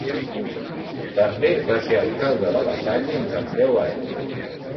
També va ser alcalde de La Salle durant deu anys.